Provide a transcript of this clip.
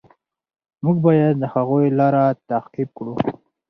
موږ باید د هغوی لاره تعقیب کړو.